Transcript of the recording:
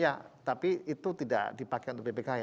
ya tapi itu tidak dipakai untuk bpk ya